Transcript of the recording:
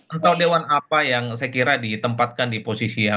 atau dewan apa yang saya kira ditempatkan di posisi apa